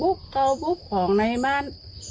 บุ๊บเกาบุ๊บของในม่าน